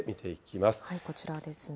こちらですね。